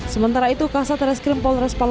sementara itu kasat reskrim polres palu